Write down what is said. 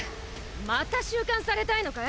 また収監されたいのかい？